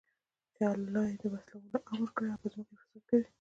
چې الله ئې د وصلَولو امر كړى او په زمكه كي فساد كوي